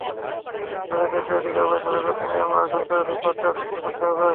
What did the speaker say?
তাদের ন্যায্য অধিকার প্রতিষ্ঠা করতে মিয়ানমারের সরকারের ওপর চাপ সৃষ্টি করতে হবে।